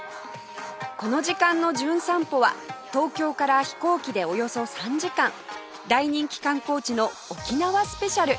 この時間の『じゅん散歩』は東京から飛行機でおよそ３時間大人気観光地の沖縄スペシャル